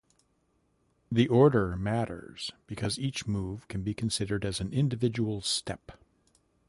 The order matters because each move can be considered as an individual step.